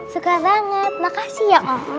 suka banget makasih ya